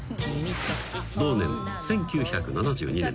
［同年１９７２年］